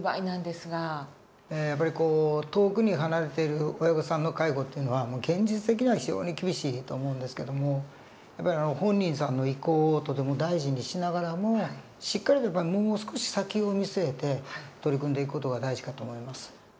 やっぱり遠くに離れている親御さんの介護っていうのは現実的には非常に厳しいと思うんですけどもやっぱり本人さんの意向をとても大事にしながらもしっかりともう少し先を見据えて取り組んでいく事が大事かと思います。